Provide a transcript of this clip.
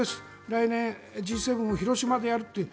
来年、Ｇ７を広島でやるという。